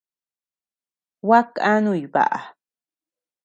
Gua kanuñ baʼa.